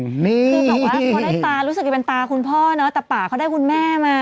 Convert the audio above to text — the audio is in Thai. คือแบบว่าพอได้ตารู้สึกจะเป็นตาคุณพ่อเนอะแต่ป่าเขาได้คุณแม่มา